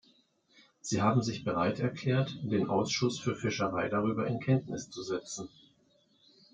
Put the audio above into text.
Sie haben sich bereit erklärt, den Ausschuss für Fischerei darüber in Kenntnis zu setzen.